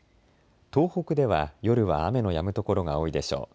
東北では夜は雨のやむ所が多いでしょう。